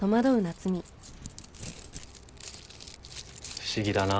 不思議だなって。